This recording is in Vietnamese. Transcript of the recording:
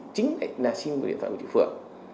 chính là sim điện thoại của chị phượng